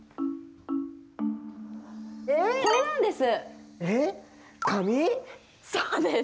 これなんです。